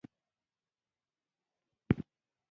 بوتل د چايو لپاره هم جوړېږي.